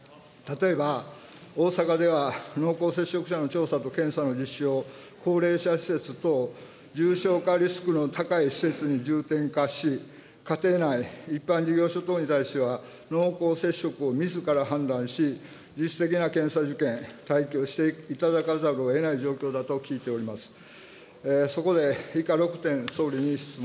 例えば、大阪では濃厚接触者の調査と検査の実施を高齢者施設等、重症化リスクの高い施設に重点化し、家庭内、一般事業所等に対しては、濃厚接触をみずから判断し、自主的な検査受検、待機をしていただかざるをえない状況だと聞いております。